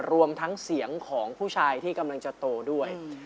รวมทั้งเสียงของผู้ชายที่กำลังจะโตด้วย